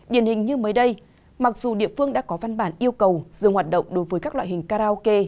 điển hình như mới đây mặc dù địa phương đã có văn bản yêu cầu dừng hoạt động đối với các loại karaoke